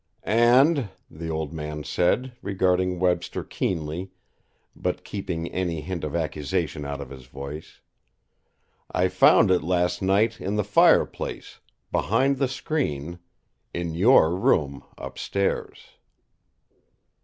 "And," the old man said, regarding Webster keenly but keeping any hint of accusation out of his voice, "I found it last night in the fireplace, behind the screen, in your room upstairs."